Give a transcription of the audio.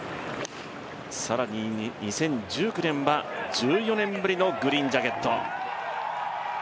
更に２０１９年は、１４年ぶりのグリーンジャケット。